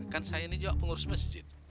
kan saya ini juga pengurus masjid